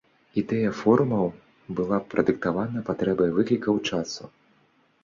Ідэя форумаў была прадыктавана патрэбай выклікаў часу.